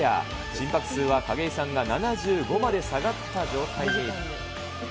心拍数は景井さんが７５まで下がった状態に。